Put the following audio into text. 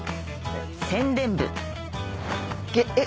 宣伝部えっ